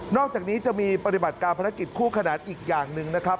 อกจากนี้จะมีปฏิบัติการภารกิจคู่ขนาดอีกอย่างหนึ่งนะครับ